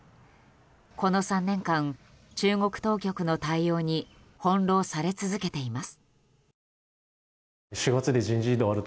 この３年間、中国当局の対応に翻弄され続けています。